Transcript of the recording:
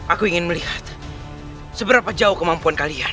aku ingin melihat seberapa jauh kemampuan kalian